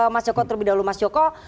mas joko terlebih dahulu mas joko